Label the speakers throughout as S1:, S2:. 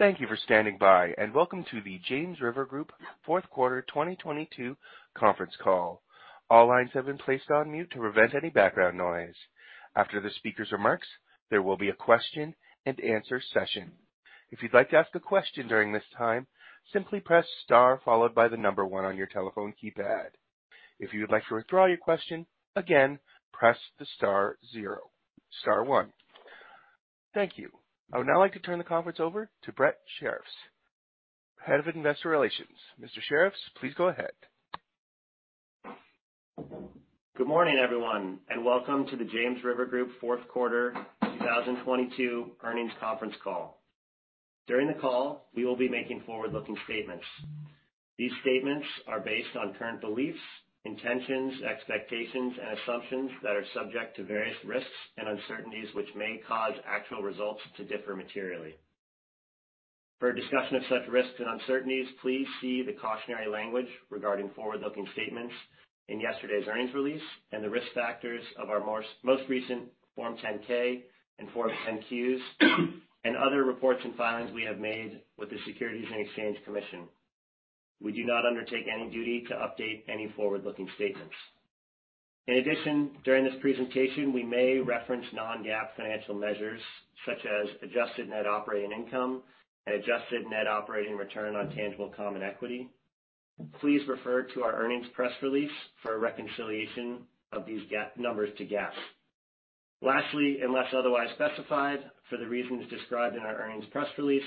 S1: Thank you for standing by. Welcome to the James River Group fourth quarter 2022 conference call. All lines have been placed on mute to prevent any background noise. After the speaker's remarks, there will be a question and answer session. If you'd like to ask a question during this time, simply press star followed by the number one on your telephone keypad. If you would like to withdraw your question, again, press the star one. Thank you. I would now like to turn the conference over to Brett Shirreffs, Head of Investor Relations. Mr. Shirreffs, please go ahead.
S2: Good morning, everyone. Welcome to the James River Group fourth quarter 2022 earnings conference call. During the call, we will be making forward-looking statements. These statements are based on current beliefs, intentions, expectations, and assumptions that are subject to various risks and uncertainties, which may cause actual results to differ materially. For a discussion of such risks and uncertainties, please see the cautionary language regarding forward-looking statements in yesterday's earnings release and the risk factors of our most recent Form 10-K and Form 10-Qs, and other reports and filings we have made with the Securities and Exchange Commission. We do not undertake any duty to update any forward-looking statements. In addition, during this presentation, we may reference non-GAAP financial measures such as adjusted net operating income and adjusted net operating return on tangible common equity. Please refer to our earnings press release for a reconciliation of these numbers to GAAP. Lastly, unless otherwise specified, for the reasons described in our earnings press release,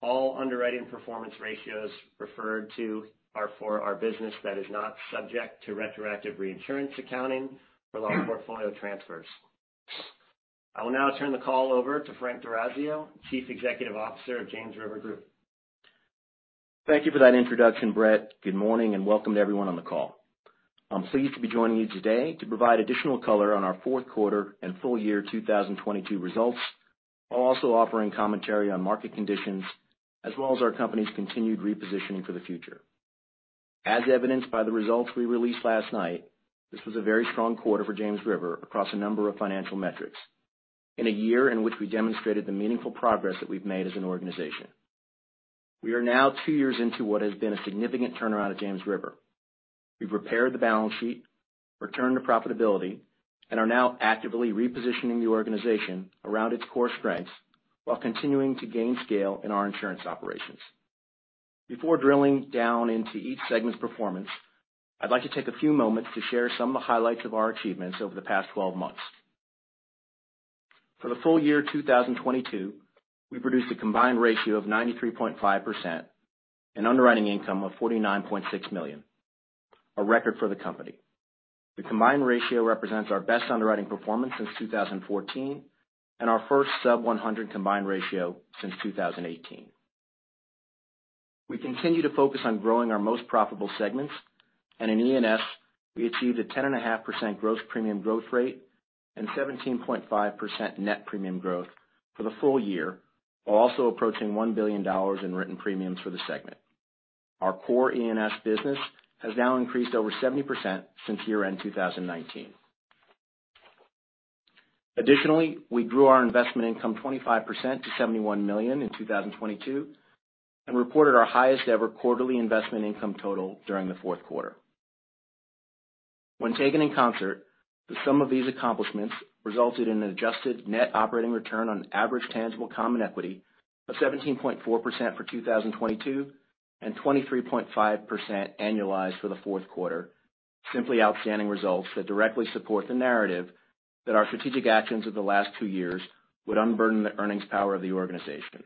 S2: all underwriting performance ratios referred to are for our business that is not subject to retroactive reinsurance accounting for loss portfolio transfers. I will now turn the call over to Frank D'Orazio, Chief Executive Officer of James River Group.
S3: Thank you for that introduction, Brett. Good morning. Welcome to everyone on the call. I'm pleased to be joining you today to provide additional color on our fourth quarter and full year 2022 results, while also offering commentary on market conditions as well as our company's continued repositioning for the future. As evidenced by the results we released last night, this was a very strong quarter for James River across a number of financial metrics in a year in which we demonstrated the meaningful progress that we've made as an organization. We are now two years into what has been a significant turnaround at James River. We've repaired the balance sheet, returned to profitability, and are now actively repositioning the organization around its core strengths while continuing to gain scale in our insurance operations. Before drilling down into each segment's performance, I'd like to take a few moments to share some of the highlights of our achievements over the past 12 months. For the full year 2022, we produced a combined ratio of 93.5% and underwriting income of $49.6 million, a record for the company. The combined ratio represents our best underwriting performance since 2014 and our first sub-100 combined ratio since 2018. We continue to focus on growing our most profitable segments, and in E&S, we achieved a 10.5% gross premium growth rate and 17.5% net premium growth for the full year, while also approaching $1 billion in written premiums for the segment. Our core E&S business has now increased over 70% since year-end 2019. Additionally, we grew our investment income 25% to $71 million in 2022 and reported our highest-ever quarterly investment income total during the fourth quarter. When taken in concert, the sum of these accomplishments resulted in an adjusted net operating return on average tangible common equity of 17.4% for 2022 and 23.5% annualized for the fourth quarter. Simply outstanding results that directly support the narrative that our strategic actions of the last two years would unburden the earnings power of the organization.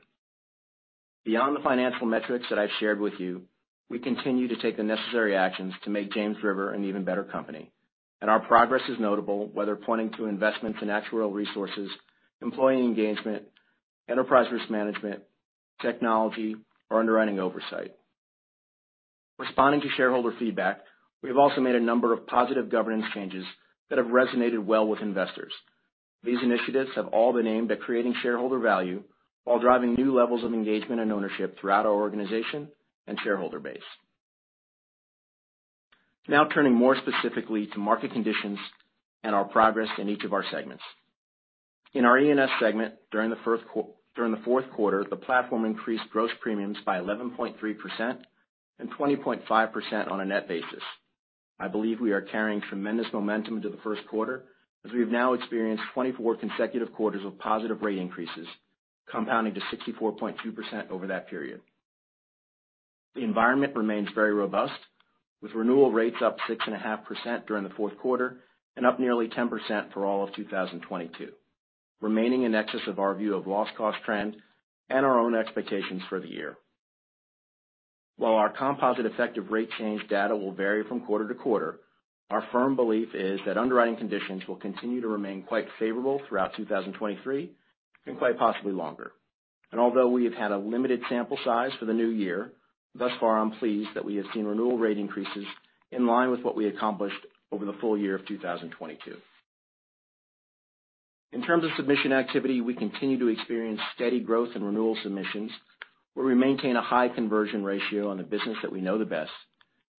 S3: Beyond the financial metrics that I've shared with you, we continue to take the necessary actions to make James River an even better company, and our progress is notable, whether pointing to investments in actuarial resources, employee engagement, enterprise risk management, technology, or underwriting oversight. Responding to shareholder feedback, we have also made a number of positive governance changes that have resonated well with investors. These initiatives have all been aimed at creating shareholder value while driving new levels of engagement and ownership throughout our organization and shareholder base. Turning more specifically to market conditions and our progress in each of our segments. In our E&S segment, during the fourth quarter, the platform increased gross premiums by 11.3% and 20.5% on a net basis. I believe we are carrying tremendous momentum into the first quarter as we've now experienced 24 consecutive quarters of positive rate increases, compounding to 64.2% over that period. The environment remains very robust, with renewal rates up 6.5% during the fourth quarter and up nearly 10% for all of 2022, remaining in excess of our view of loss cost trend and our own expectations for the year. While our composite effective rate change data will vary from quarter to quarter, our firm belief is that underwriting conditions will continue to remain quite favorable throughout 2023 and quite possibly longer. Although we have had a limited sample size for the new year, thus far, I'm pleased that we have seen renewal rate increases in line with what we accomplished over the full year of 2022. In terms of submission activity, we continue to experience steady growth in renewal submissions, where we maintain a high conversion ratio on the business that we know the best,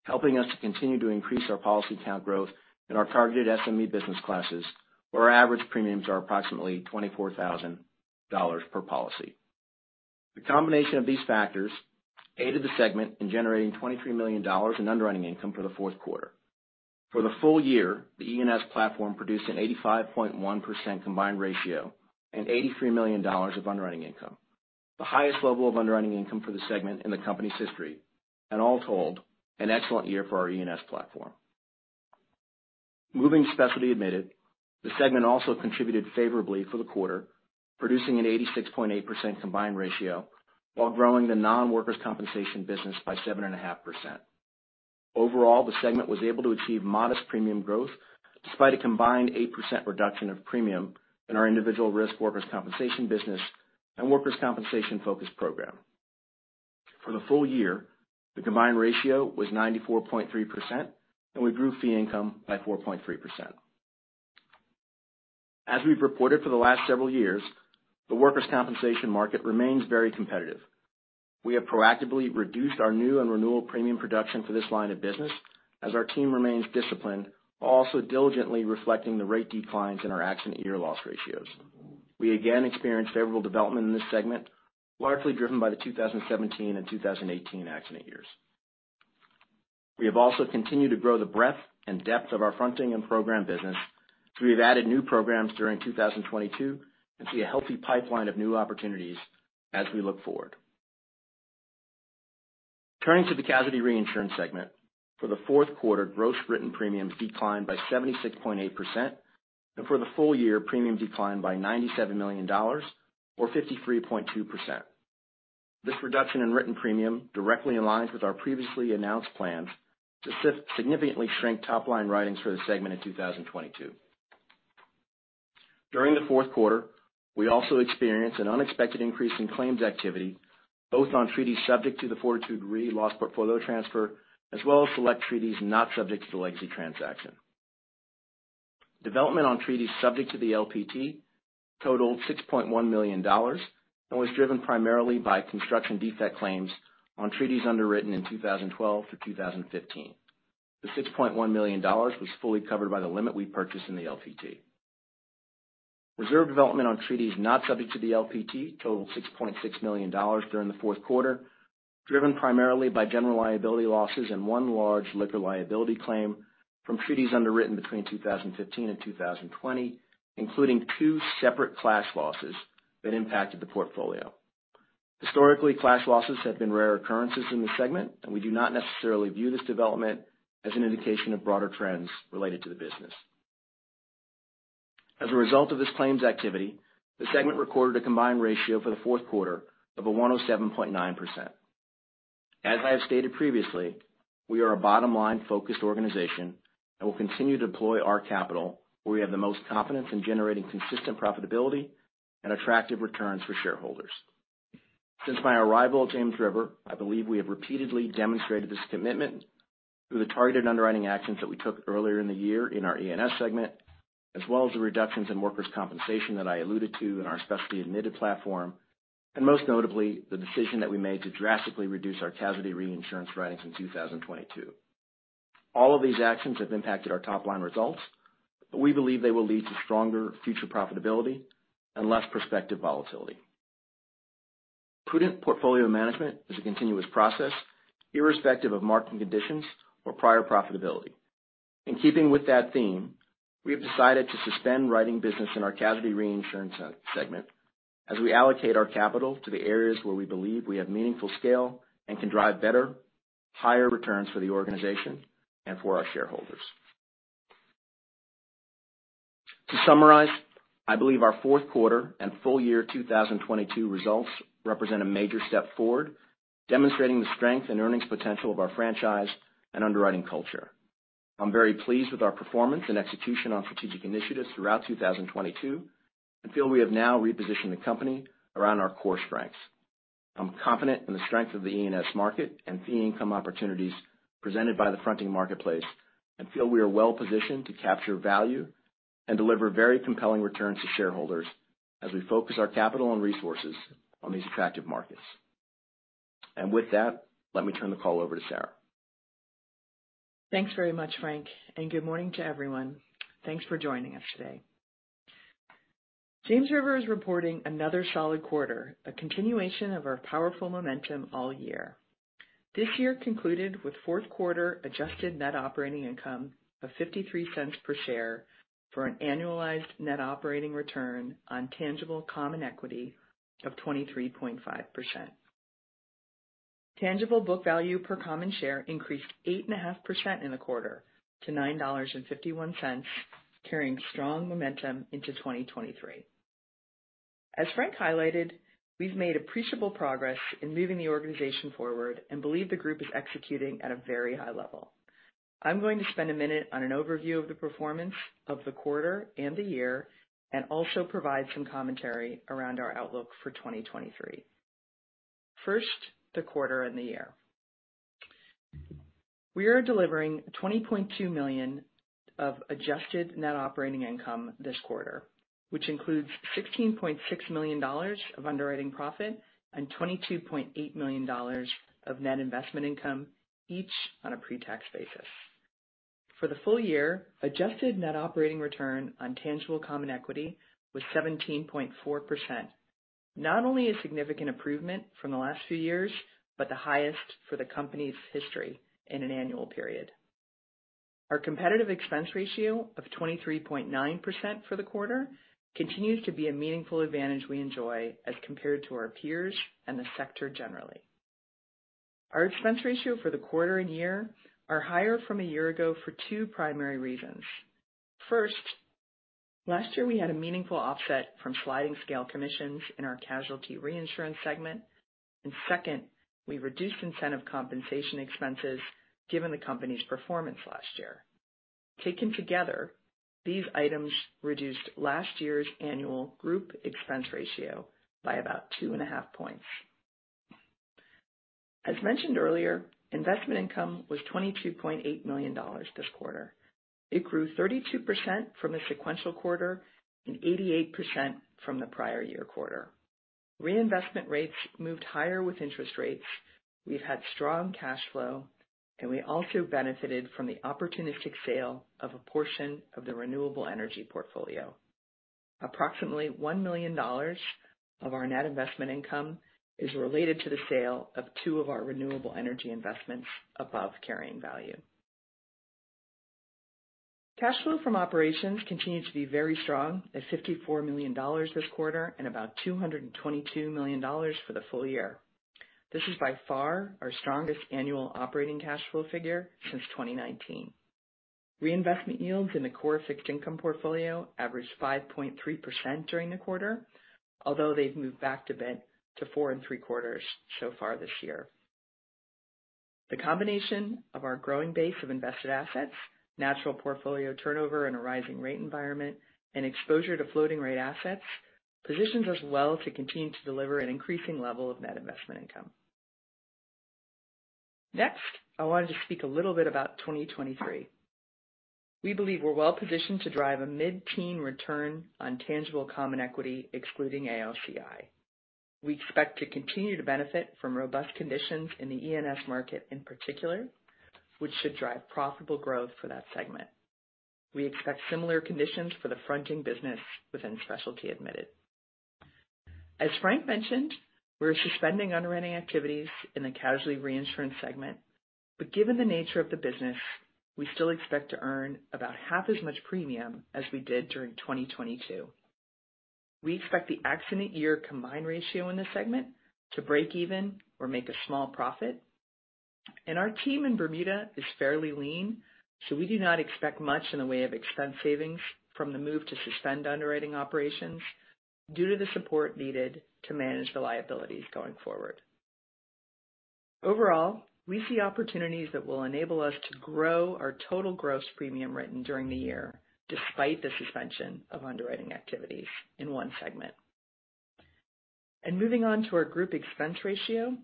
S3: helping us to continue to increase our policy count growth in our targeted SME business classes, where our average premiums are approximately $24,000 per policy. The combination of these factors aided the segment in generating $23 million in underwriting income for the fourth quarter. For the full year, the E&S platform produced an 85.1% combined ratio and $83 million of underwriting income, the highest level of underwriting income for the segment in the company's history, and all told, an excellent year for our E&S platform. Moving to specialty admitted, the segment also contributed favorably for the quarter, producing an 86.8% combined ratio while growing the non-workers' compensation business by 7.5%. Overall, the segment was able to achieve modest premium growth despite a combined 8% reduction of premium in our individual risk workers' compensation business and workers' compensation-focused program. For the full year, the combined ratio was 94.3%, and we grew fee income by 4.3%. As we've reported for the last several years, the workers' compensation market remains very competitive. We have proactively reduced our new and renewal premium production for this line of business as our team remains disciplined, while also diligently reflecting the rate declines in our accident year loss ratios. We again experienced favorable development in this segment, largely driven by the 2017 and 2018 accident years. We have also continued to grow the breadth and depth of our fronting and program business. We've added new programs during 2022 and see a healthy pipeline of new opportunities as we look forward. Turning to the casualty reinsurance segment, for the fourth quarter, gross written premiums declined by 76.8%, and for the full year, premiums declined by $97 million, or 53.2%. This reduction in written premium directly aligns with our previously announced plans to significantly shrink top-line writings for the segment in 2022. During the fourth quarter, we also experienced an unexpected increase in claims activity, both on treaties subject to the Fortitude loss portfolio transfer, as well as select treaties not subject to the legacy transaction. Development on treaties subject to the LPT totaled $6.1 million and was driven primarily by construction defect claims on treaties underwritten in 2012 through 2015. The $6.1 million was fully covered by the limit we purchased in the LPT. Reserve development on treaties not subject to the LPT totaled $6.6 million during the fourth quarter, driven primarily by general liability losses and one large liquor liability claim from treaties underwritten between 2015 and 2020, including two separate class losses that impacted the portfolio. Historically, class losses have been rare occurrences in this segment, and we do not necessarily view this development as an indication of broader trends related to the business. As a result of this claims activity, the segment recorded a combined ratio for the fourth quarter of 107.9%. As I have stated previously, we are a bottom line focused organization and will continue to deploy our capital where we have the most confidence in generating consistent profitability and attractive returns for shareholders. Since my arrival at James River, I believe we have repeatedly demonstrated this commitment through the targeted underwriting actions that we took earlier in the year in our E&S segment, as well as the reductions in workers' compensation that I alluded to in our specialty admitted platform, and most notably, the decision that we made to drastically reduce our casualty reinsurance writings in 2022. All of these actions have impacted our top-line results. We believe they will lead to stronger future profitability and less prospective volatility. Prudent portfolio management is a continuous process irrespective of market conditions or prior profitability. In keeping with that theme, we have decided to suspend writing business in our casualty reinsurance segment as we allocate our capital to the areas where we believe we have meaningful scale and can drive better, higher returns for the organization and for our shareholders. To summarize, I believe our fourth quarter and full year 2022 results represent a major step forward, demonstrating the strength and earnings potential of our franchise and underwriting culture. I'm very pleased with our performance and execution on strategic initiatives throughout 2022 and feel we have now repositioned the company around our core strengths. I'm confident in the strength of the E&S market and fee income opportunities presented by the fronting marketplace and feel we are well-positioned to capture value and deliver very compelling returns to shareholders as we focus our capital and resources on these attractive markets. With that, let me turn the call over to Sarah.
S4: Thanks very much, Frank. Good morning to everyone. Thanks for joining us today. James River is reporting another solid quarter, a continuation of our powerful momentum all year. This year concluded with fourth quarter adjusted net operating income of $0.53 per share for an annualized net operating return on tangible common equity of 23.5%. Tangible book value per common share increased 8.5% in the quarter to $9.51, carrying strong momentum into 2023. As Frank highlighted, we've made appreciable progress in moving the organization forward and believe the group is executing at a very high level. I'm going to spend a minute on an overview of the performance of the quarter and the year, also provide some commentary around our outlook for 2023. First, the quarter and the year. We are delivering $20.2 million in adjusted net operating income this quarter, which includes $16.6 million of underwriting profit and $22.8 million of net investment income, each on a pre-tax basis. For the full year, adjusted net operating return on tangible common equity was 17.4%, not only a significant improvement from the last few years, but the highest for the company's history in an annual period. Our competitive expense ratio of 23.9% for the quarter continues to be a meaningful advantage we enjoy as compared to our peers and the sector generally. Our expense ratio for the quarter and year are higher from a year ago for two primary reasons. First, last year we had a meaningful offset from sliding scale commissions in our casualty reinsurance segment. Second, we reduced incentive compensation expenses given the company's performance last year. Taken together, these items reduced last year's annual group expense ratio by about two and a half points. As mentioned earlier, investment income was $22.8 million this quarter. It grew 32% from the sequential quarter and 88% from the prior year quarter. Reinvestment rates moved higher with interest rates. We've had strong cash flow. We also benefited from the opportunistic sale of a portion of the renewable energy portfolio. Approximately $1 million of our net investment income is related to the sale of two of our renewable energy investments above carrying value. Cash flow from operations continued to be very strong at $54 million this quarter and about $222 million for the full year. This is by far our strongest annual operating cash flow figure since 2019. Reinvestment yields in the core fixed income portfolio averaged 5.3% during the quarter, although they've moved back a bit to four and three quarters so far this year. The combination of our growing base of invested assets, natural portfolio turnover in a rising rate environment, and exposure to floating rate assets positions us well to continue to deliver an increasing level of net investment income. I wanted to speak a little bit about 2023. We believe we're well-positioned to drive a mid-teen return on tangible common equity excluding AOCI. We expect to continue to benefit from robust conditions in the E&S market in particular, which should drive profitable growth for that segment. We expect similar conditions for the fronting business within specialty admitted. As Frank mentioned, we're suspending underwriting activities in the casualty reinsurance segment, but given the nature of the business, we still expect to earn about half as much premium as we did during 2022. We expect the accident year combined ratio in this segment to break even or make a small profit. Our team in Bermuda is fairly lean, so we do not expect much in the way of expense savings from the move to suspend underwriting operations due to the support needed to manage the liabilities going forward. Overall, we see opportunities that will enable us to grow our total gross premium written during the year despite the suspension of underwriting activities in one segment. Moving on to our group expense ratio,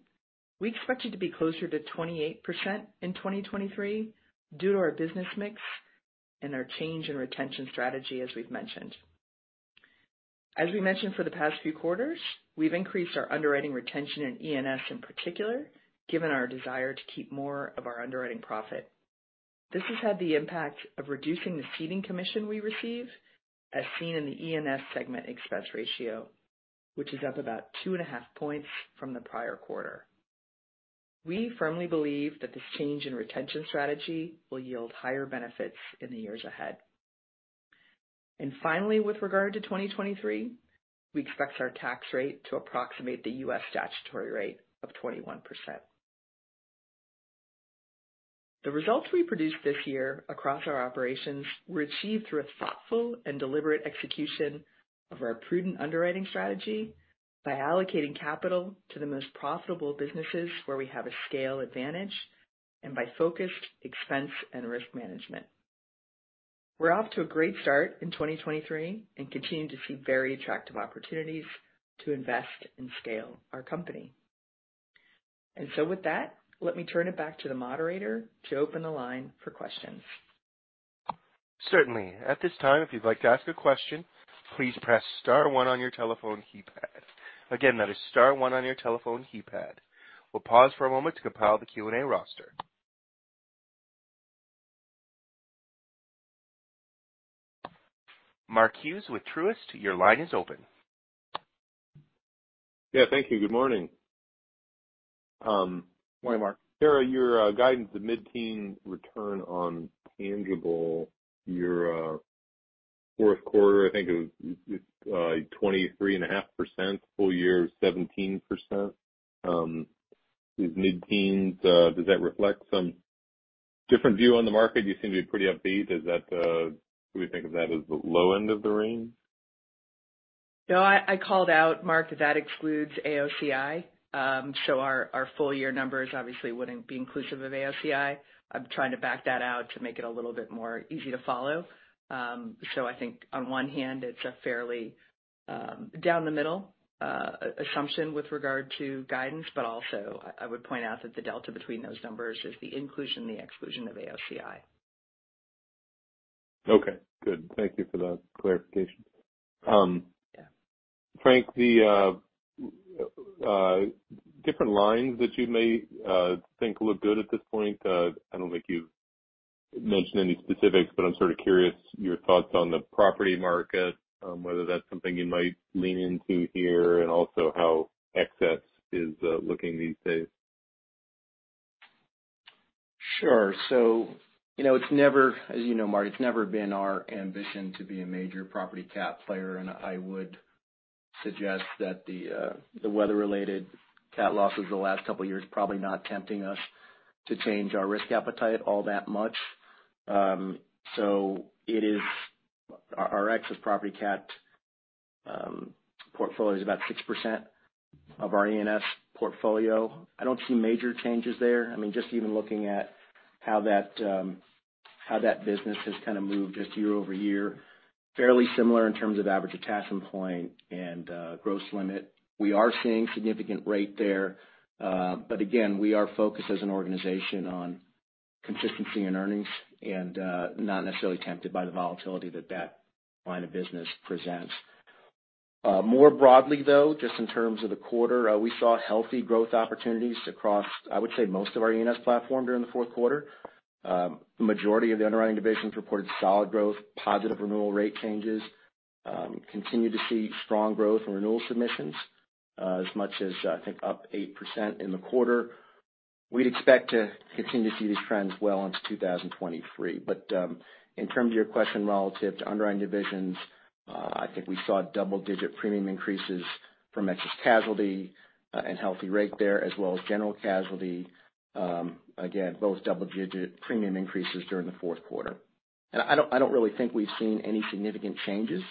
S4: we expect it to be closer to 28% in 2023 due to our business mix and our change in retention strategy, as we've mentioned. As we mentioned for the past few quarters, we've increased our underwriting retention in E&S in particular, given our desire to keep more of our underwriting profit. This has had the impact of reducing the ceding commission we receive, as seen in the E&S segment expense ratio, which is up about two and a half points from the prior quarter. We firmly believe that this change in retention strategy will yield higher benefits in the years ahead. Finally, with regard to 2023, we expect our tax rate to approximate the U.S. statutory rate of 21%. The results we produced this year across our operations were achieved through a thoughtful and deliberate execution of our prudent underwriting strategy by allocating capital to the most profitable businesses where we have a scale advantage and by focused expense and risk management. We're off to a great start in 2023 and continue to see very attractive opportunities to invest and scale our company. With that, let me turn it back to the moderator to open the line for questions.
S1: Certainly. At this time, if you'd like to ask a question, please press *1 on your telephone keypad. Again, that is *1 on your telephone keypad. We'll pause for a moment to compile the Q&A roster. Mark Hughes with Truist, your line is open.
S5: Yeah, thank you. Good morning.
S4: Morning, Mark.
S5: Sarah, your guidance of mid-teen return on tangible, your fourth quarter, I think it was 23.5%, full year, 17%. These mid-teens, does that reflect some different view on the market? Do you seem to be pretty upbeat? Should we think of that as the low end of the range?
S4: No, I called out, Mark, that excludes AOCI, so our full year numbers obviously wouldn't be inclusive of AOCI. I'm trying to back that out to make it a little bit more easy to follow. I think on one hand, it's a fairly down the middle assumption with regard to guidance, but also I would point out that the delta between those numbers is the inclusion and the exclusion of AOCI.
S5: Okay, good. Thank you for that clarification.
S4: Yeah.
S5: Frank, the different lines that you may think look good at this point, I don't think you've mentioned any specifics, but I'm sort of curious your thoughts on the property market, whether that's something you might lean into here, and also how excess is looking these days.
S3: Sure. As you know, Mark, it's never been our ambition to be a major property cat player, and I would suggest that the weather-related cat losses the last couple of years, probably not tempting us to change our risk appetite all that much. Our excess property cat portfolio is about 6% of our E&S portfolio. I don't see major changes there. Just even looking at how that business has kind of moved just year-over-year, fairly similar in terms of average attachment point and gross limit. We are seeing significant rate there. Again, we are focused as an organization on consistency in earnings and not necessarily tempted by the volatility that that line of business presents. More broadly, though, just in terms of the quarter, we saw healthy growth opportunities across, I would say, most of our E&S platform during the fourth quarter. The majority of the underwriting divisions reported solid growth, positive renewal rate changes. Continue to see strong growth in renewal submissions. As much as, I think, up 8% in the quarter. We'd expect to continue to see these trends well into 2023. In terms of your question relative to underwriting divisions, I think we saw double-digit premium increases from excess casualty and healthy rate there, as well as general casualty. Again, both double-digit premium increases during the fourth quarter. I don't really think we've seen any significant changes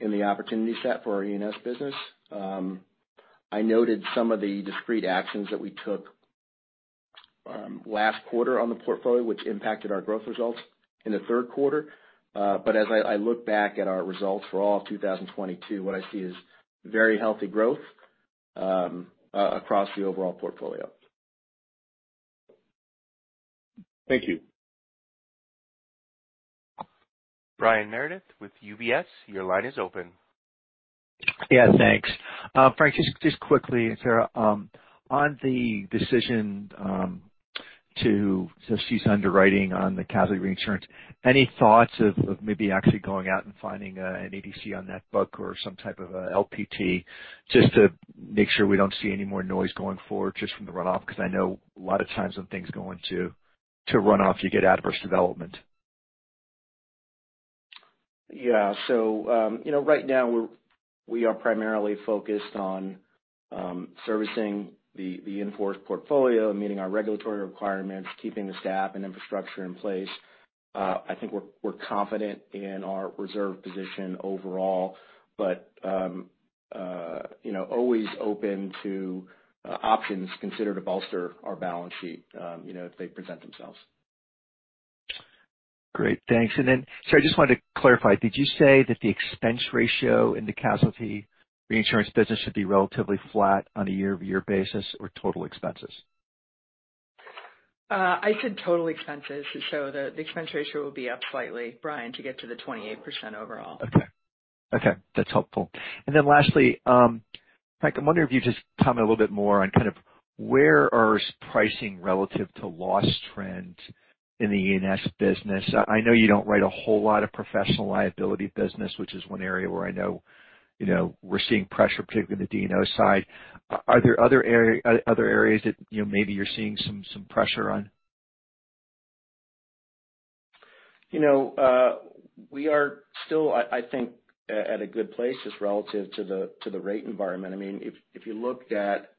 S3: in the opportunity set for our E&S business. I noted some of the discrete actions that we took last quarter on the portfolio, which impacted our growth results in the third quarter. As I look back at our results for all of 2022, what I see is very healthy growth across the overall portfolio.
S5: Thank you.
S1: Brian Meredith with UBS, your line is open.
S6: Yeah, thanks. Frank, just quickly, on the decision to cease underwriting on the casualty reinsurance, any thoughts of maybe actually going out and finding an ADC on that book or some type of a LPT just to make sure we don't see any more noise going forward just from the runoff? Because I know a lot of times when things go into runoff, you get adverse development.
S3: Yeah. Right now we are primarily focused on servicing the in-force portfolio, meeting our regulatory requirements, keeping the staff and infrastructure in place. I think we're confident in our reserve position overall, but always open to options considered to bolster our balance sheet if they present themselves.
S6: Great, thanks. Sarah, I just wanted to clarify, did you say that the expense ratio in the casualty reinsurance business should be relatively flat on a year-over-year basis or total expenses?
S4: I said total expenses, so the expense ratio will be up slightly, Brian, to get to the 28% overall.
S6: Okay. That's helpful. Lastly, Frank, I'm wondering if you just comment a little bit more on kind of where are pricing relative to loss trends in the E&S business. I know you don't write a whole lot of professional liability business, which is one area where I know we're seeing pressure, particularly on the D&O side. Are there other areas that maybe you're seeing some pressure on?
S3: We are still, I think, at a good place just relative to the rate environment. If you looked at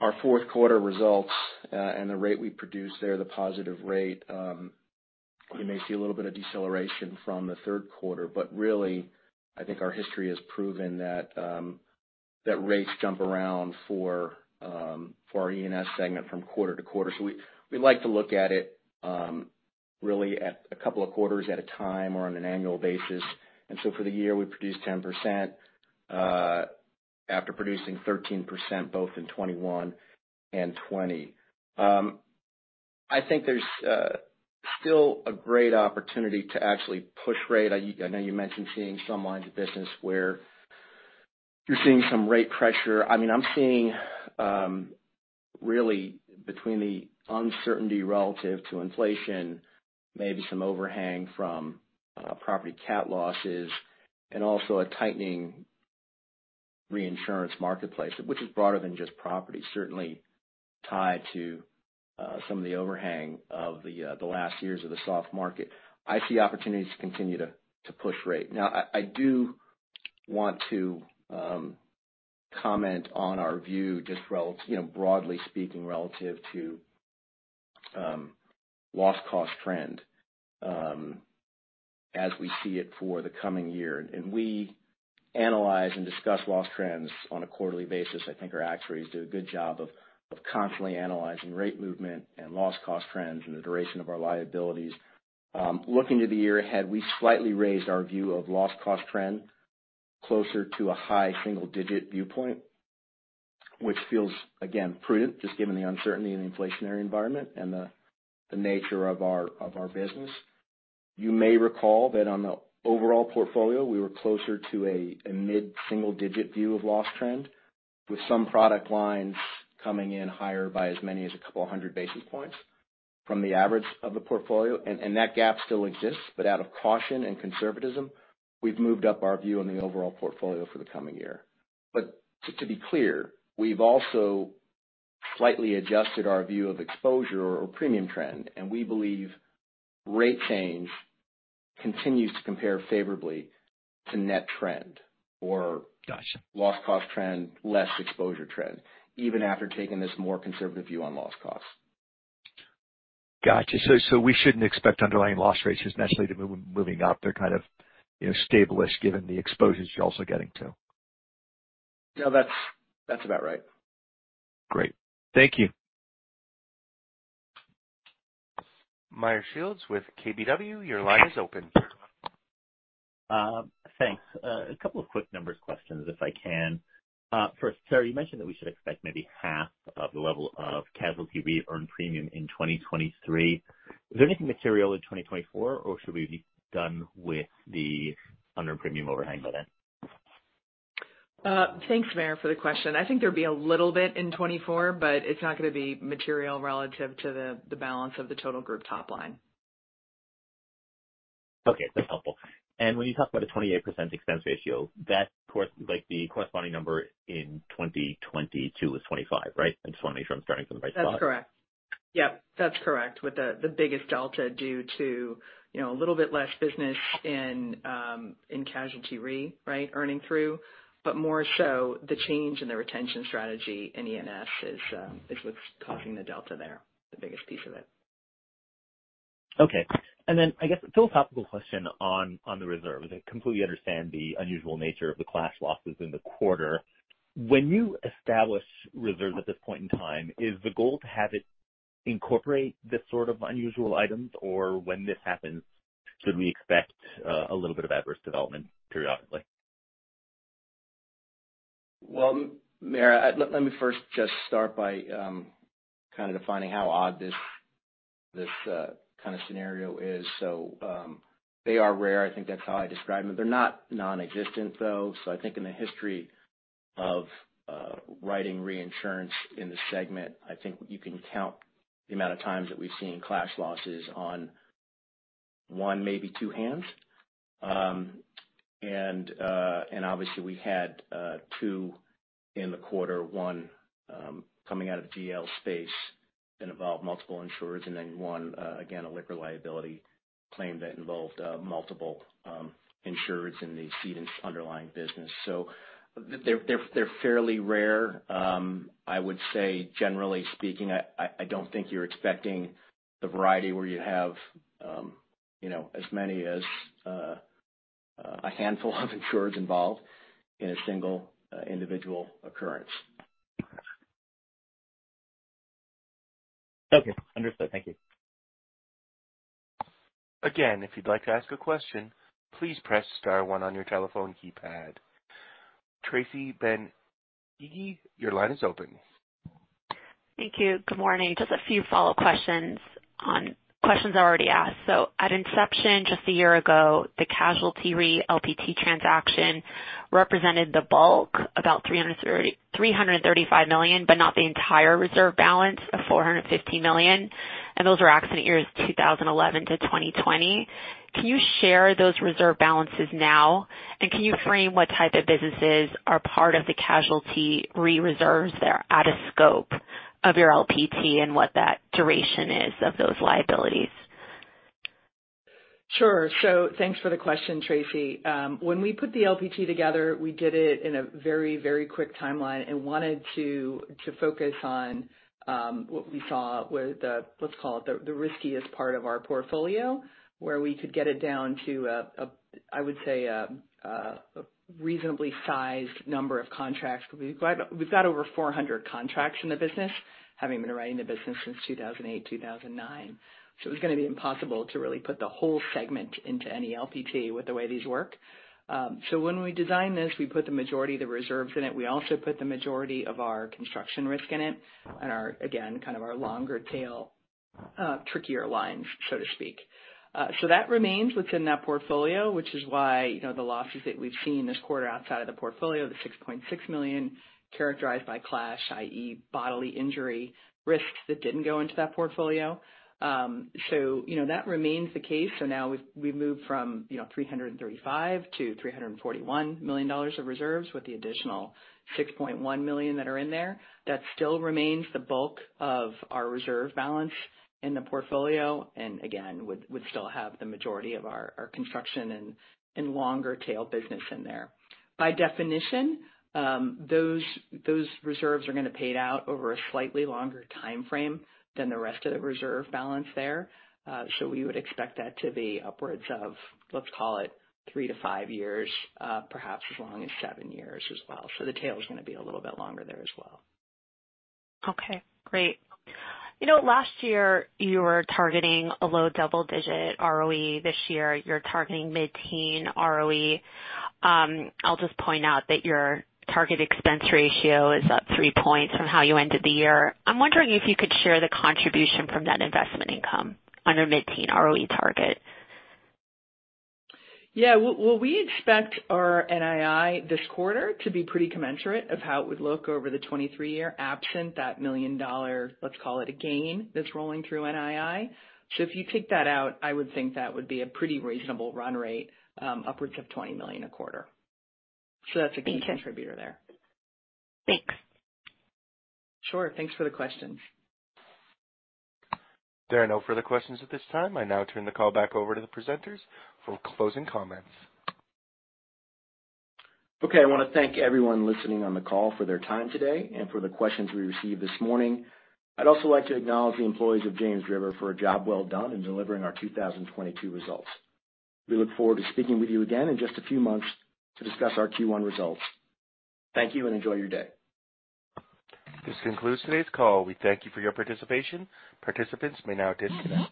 S3: our fourth quarter results and the rate we produced there, the positive rate, you may see a little bit of deceleration from the third quarter. Really, I think our history has proven that rates jump around for our E&S segment from quarter to quarter. We like to look at it really at a couple of quarters at a time or on an annual basis. For the year, we produced 10% after producing 13%, both in 2021 and 2020. I think there's still a great opportunity to actually push rate. I know you mentioned seeing some lines of business where you're seeing some rate pressure. I'm seeing really between the uncertainty relative to inflation, maybe some overhang from property cat losses, and also a tightening reinsurance marketplace, which is broader than just property. Certainly tied to some of the overhang of the last years of the soft market. I see opportunities to continue to push rate. Now, I do want to comment on our view, just broadly speaking, relative to loss cost trend as we see it for the coming year. We analyze and discuss loss trends on a quarterly basis. I think our actuaries do a good job of constantly analyzing rate movement and loss cost trends and the duration of our liabilities. Looking to the year ahead, we slightly raised our view of loss cost trend closer to a high single-digit viewpoint, which feels, again, prudent, just given the uncertainty in the inflationary environment and the nature of our business. You may recall that on the overall portfolio, we were closer to a mid-single-digit view of loss trend, with some product lines coming in higher by as many as a couple of hundred basis points from the average of the portfolio. That gap still exists, but out of caution and conservatism, we've moved up our view on the overall portfolio for the coming year. To be clear, we've also slightly adjusted our view of exposure or premium trend, and we believe rate change continues to compare favorably to net trend.
S6: Got you
S3: loss cost trend less exposure trend, even after taking this more conservative view on loss cost.
S6: Got you. We shouldn't expect underlying loss rates just naturally to moving up. They're kind of established, given the exposures you're also getting to.
S3: No, that's about right.
S6: Great. Thank you.
S1: Meyer Shields with KBW, your line is open.
S7: Thanks. A couple of quick numbers questions, if I can. First, Sarah, you mentioned that we should expect maybe half of the level of casualty re earned premium in 2023. Is there anything material in 2024, or should we be done with the unearned premium overhang by then?
S4: Thanks, Meyer, for the question. I think there'll be a little bit in 2024, but it's not going to be material relative to the balance of the total group top line.
S7: Okay, that's helpful. When you talk about a 28% expense ratio, the corresponding number in 2022 was 25, right? I just want to make sure I'm starting from the right spot.
S4: That's correct. Yep, that's correct. With the biggest delta due to a little bit less business in casualty re, earning through, but more so the change in the retention strategy in E&S is what's causing the delta there, the biggest piece of it.
S7: Okay. I guess a philosophical question on the reserve. I completely understand the unusual nature of the class losses in the quarter. When you establish reserves at this point in time, is the goal to have it incorporate this sort of unusual items? Or when this happens, should we expect a little bit of adverse development periodically?
S3: Well, Meyer, let me first just start by kind of defining how odd this kind of scenario is. They are rare. I think that's how I describe them. They're not non-existent, though. I think in the history of writing reinsurance in the segment, I think you can count the amount of times that we've seen class losses on one, maybe two hands. Obviously we had two in the quarter, one coming out of GL space that involved multiple insurers, and then one, again, a liquor liability claim that involved multiple insurers in the cedents' underlying business. They're fairly rare. I would say, generally speaking, I don't think you're expecting the variety where you'd have as many as a handful of insurers involved in a single individual occurrence.
S7: Okay, understood. Thank you.
S1: If you'd like to ask a question, please press *1 on your telephone keypad. Tracy Benguigui, your line is open.
S8: Thank you. Good morning. Just a few follow questions on questions already asked. At inception, just a year ago, the casualty re LPT transaction represented the bulk, about $335 million, but not the entire reserve balance of $450 million, and those were accident years 2011-2020. Can you share those reserve balances now? Can you frame what type of businesses are part of the casualty re reserves that are out of scope of your LPT and what that duration is of those liabilities?
S4: Sure. Thanks for the question, Tracy. When we put the LPT together, we did it in a very quick timeline and wanted to focus on what we saw were the, let's call it, the riskiest part of our portfolio, where we could get it down to, I would say, a reasonably sized number of contracts. We've got over 400 contracts in the business, having been writing the business since 2008, 2009. It was going to be impossible to really put the whole segment into any LPT with the way these work. When we designed this, we put the majority of the reserves in it. We also put the majority of our construction risk in it and, again, kind of our longer tail, trickier lines, so to speak. That remains within that portfolio, which is why the losses that we've seen this quarter outside of the portfolio, the $6.6 million, characterized by class, i.e., bodily injury risks that didn't go into that portfolio. That remains the case. Now we've moved from $335 to $341 million of reserves with the additional $6.1 million that are in there. That still remains the bulk of our reserve balance in the portfolio, and again, would still have the majority of our construction and longer tail business in there. By definition, those reserves are going to pay it out over a slightly longer timeframe than the rest of the reserve balance there. We would expect that to be upwards of, let's call it, 3-5 years, perhaps as long as 7 years as well. the tail is going to be a little bit longer there as well.
S8: Okay, great. Last year you were targeting a low double-digit ROE. This year you're targeting mid-teen ROE. I'll just point out that your target expense ratio is up three points from how you ended the year. I'm wondering if you could share the contribution from that investment income on a mid-teen ROE target.
S4: Yeah. Well, we expect our NII this quarter to be pretty commensurate of how it would look over the 2023 year, absent that million-dollar, let's call it, a gain that's rolling through NII. If you take that out, I would think that would be a pretty reasonable run rate, upwards of $20 million a quarter. That's a good contributor there.
S8: Thanks.
S4: Sure. Thanks for the questions.
S1: There are no further questions at this time. I now turn the call back over to the presenters for closing comments.
S3: Okay. I want to thank everyone listening on the call for their time today and for the questions we received this morning. I'd also like to acknowledge the employees of James River for a job well done in delivering our 2022 results. We look forward to speaking with you again in just a few months to discuss our Q1 results. Thank you, and enjoy your day.
S1: This concludes today's call. We thank you for your participation. Participants may now disconnect.